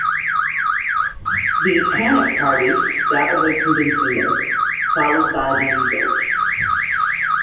The 'Panic party' got away convincingly, followed by the U-boat.